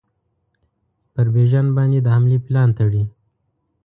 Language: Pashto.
پر بیژن باندي د حملې پلان تړي.